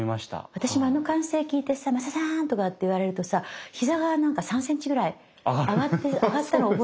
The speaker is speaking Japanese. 私もあの歓声聞いてさ「増田さーん！」とかって言われるとさ膝が何か３ｃｍぐらい上がったの思い出して。